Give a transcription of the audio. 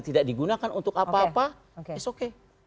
tidak digunakan untuk apa apa it's okay